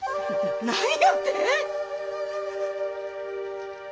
何やて！？